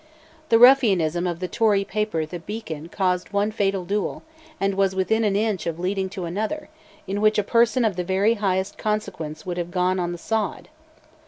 The ruffianism of the Tory paper 'The Beacon' caused one fatal duel, and was within an inch of leading to another, in which a person of the very highest consequence would have "gone on the sod."